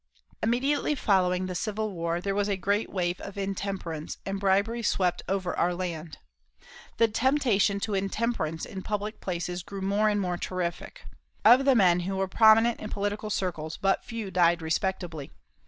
Immediately following the Civil War there was a great wave of intemperance, and bribery swept over our land. The temptation to intemperance in public places grew more and more terrific. Of the men who were prominent in political circles but few died respectably.